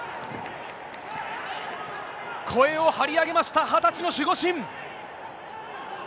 声を張り上げました、２０歳の守護神。